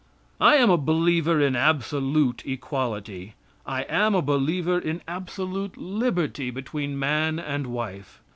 I am a believer in absolute equality. I am a believer in absolute liberty between man and wife.